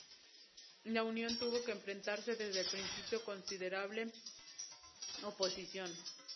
La unión tuvo que enfrentarse desde el principio con considerable oposición.